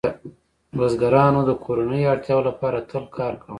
بزګرانو د کورنیو اړتیاوو لپاره تل کار کاوه.